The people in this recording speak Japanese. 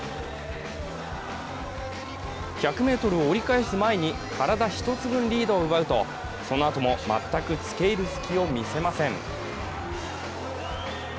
１００ｍを折り返す前に体１つ分リードを奪うとそのあとも全くつけいる隙を見せません。